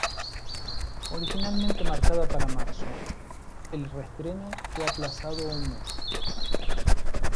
Originalmente marcada para marzo, el reestreno fue aplazado un mes.